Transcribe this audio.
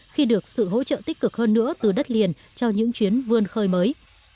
khi được sự hỗ trợ tích cực hơn nữa từ đất liền cho những chuyến vươn khơi mới